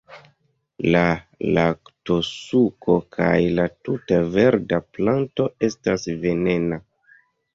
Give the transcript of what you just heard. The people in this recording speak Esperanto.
La laktosuko kaj la tuta verda planto estas venena.